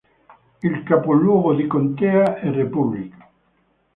Il capoluogo di contea è Republic.